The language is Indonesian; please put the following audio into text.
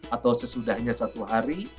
atau sesudahnya satu hari